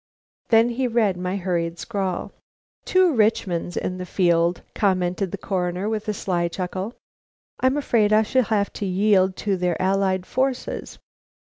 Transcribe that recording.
Then he read my hurried scrawl. "Two Richmonds in the field!" commented the Coroner, with a sly chuckle. "I am afraid I shall have to yield to their allied forces.